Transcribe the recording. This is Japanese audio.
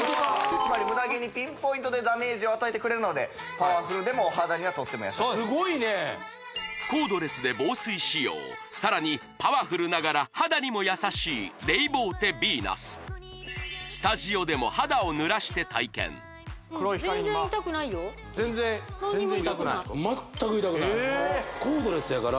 つまりムダ毛にピンポイントでダメージを与えてくれるのでパワフルでもお肌にはとっても優しいすごいねコードレスで防水仕様さらにパワフルながら肌にも優しいレイボーテヴィーナススタジオでも何にも痛くないなるほどあとですね